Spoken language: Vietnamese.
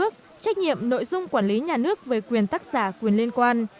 trách nhiệm nội dung quản lý nhà nước về quyền tác giả quyền liên quan